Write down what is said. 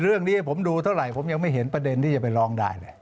เรื่องนี้ให้ผมดูเท่าไหร่ผมยังไม่เห็นประเด็นที่จะไปร้องได้เลย